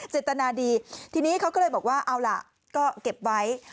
เจตนาดีทีนี้เขาก็เลยบอกว่าเอาล่ะก็เก็บไว้